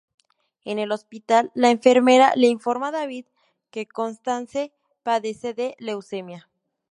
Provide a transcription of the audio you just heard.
En el hospital, la enfermera le informa a David que Constance padece de Leucemia.